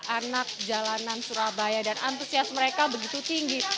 anak jalanan surabaya dan antusias mereka begitu tinggi